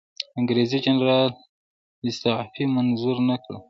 انګریزي جنرال استعفی منظوره نه کړه.